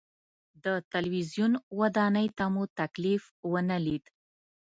د تلویزیون ودانۍ ته مو تکلیف ونه لید.